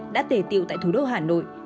đã tề tiệu tại thủ đô hà nội